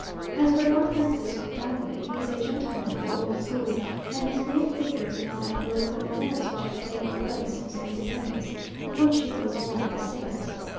As for Don Francisco Tagle, he is a gentleman of the old school, and his name figures in all the political events which have taken place since the independence, of which he was one of the signers.